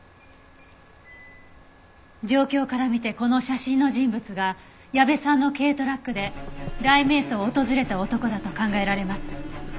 状況から見てこの写真の人物が矢部さんの軽トラックで雷冥荘を訪れた男だと考えられます。